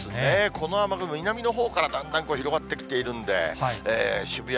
この雨雲、南のほうからだんだん広がってきているんで、渋谷